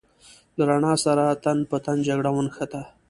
له رڼا سره تن په تن جګړه ونښته.